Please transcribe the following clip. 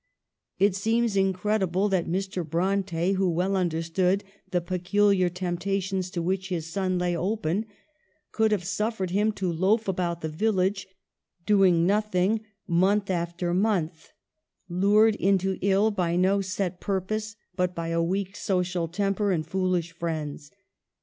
It seems incredible that Mr. Bronte, who well understood the peculiar temptations to which his son lay open, could have suffered him to loaf about the village, doing nothing, month after month, lured into ill by no set purpose, but by a weak social temper and foolish friends.